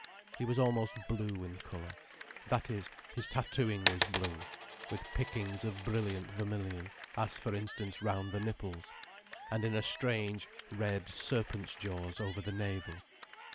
He was almost blue in colour—that is, his tattooing was blue, with pickings of brilliant vermilion: as for instance round the nipples, and in a strange red serpent's jaws over the navel.